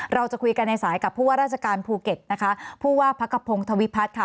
เราจะคุยกันในสายกับผู้ว่าราชการภูเก็ตนะคะผู้ว่าพักกระพงธวิพัฒน์ค่ะ